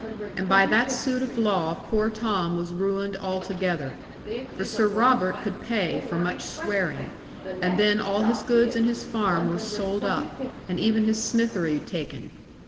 And by that suit of law poor Tom was ruined altogether, for Sir Robert could pay for much swearing; and then all his goods and his farm were sold up, and even his smithery taken.